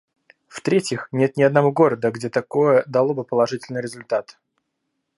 В-третьих нет ни одного города, где такое дало бы положительный результат